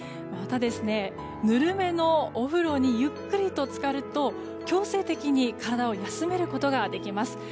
また、ぬるめのお風呂にゆっくりとつかると強制的に体を休めることができます。